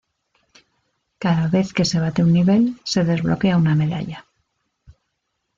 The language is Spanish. Cada vez que se bate un nivel, se desbloquea una medalla.